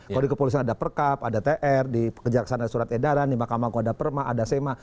kalau di kepolisian ada perkab ada tr di kejaksana surat edaran di makamangku ada perma ada sema